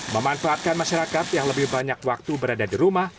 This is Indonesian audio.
memanfaatkan masyarakat yang lebih banyak waktu berada di rumah